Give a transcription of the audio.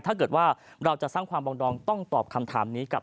ถ้าเกิดว่าเราจะสร้างความปรองดองต้องตอบคำถามนี้กับนานชาติให้ได้ด้วยนะครับ